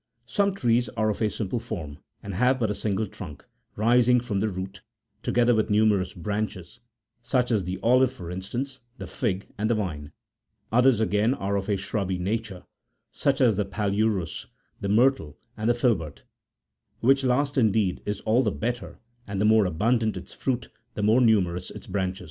Some trees are of a simple form, and have hut a single trunk lisinTfrom the root, together with numerous branches ; such afthe ote, for instance Sthe fig and the vine; ot herein are of a shrubby nature, such as the pahurus *ejyri^ and the filbert; which last, indeed, is all the better, ana tne more abundant its fruit, the more numerous its bran ch